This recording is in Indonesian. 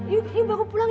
you baru pulang